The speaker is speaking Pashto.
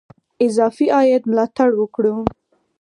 اضافي عاید ملاتړ وکړو.